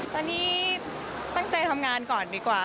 ตอนนี้ตั้งใจทำงานก่อนดีกว่า